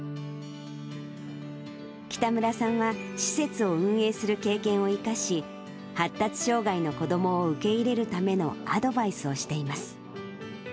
北村さんは、施設を運営する経験を生かし、発達障がいの子どもを受け入れるためのアドバイスをしています。